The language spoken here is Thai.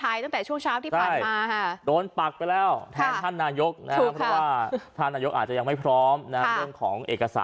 ให้แถมบริษัทนาทนาโยก